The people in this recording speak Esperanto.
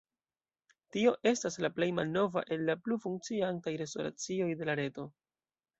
Tio estas la plej malnova el la plu funkciantaj restoracioj de la reto.